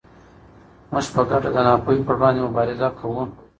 موږ په ګډه د ناپوهۍ پر وړاندې مبارزه کوو.